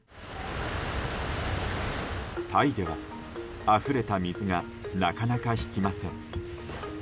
タイでは、あふれた水がなかなか引きません。